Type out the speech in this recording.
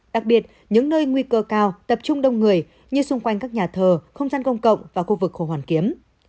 đặc biệt những nơi nguy cơ cao tập trung đông người như xung quanh các nhà thờ không gian công cộng và khu vực hồ hoàn kiếm